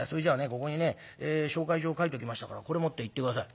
ここにね紹介状書いときましたからこれ持って行って下さい」。